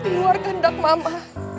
di luar gendak mama